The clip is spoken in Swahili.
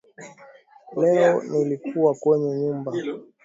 Leo nilikuwa kwenye nyumba